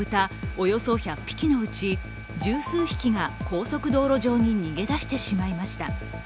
およそ１００匹のうち十数匹が高速道路上に逃げ出してしまいました。